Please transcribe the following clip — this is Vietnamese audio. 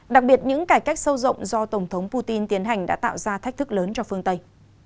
đặc biệt những cải cách sâu rộng do tổng thống putin tiến hành đã tạo ra thách thức lớn cho phương tây